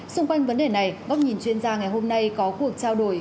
xung quanh vấn đề này góc nhìn chuyên gia ngày hôm nay có cuộc trao đổi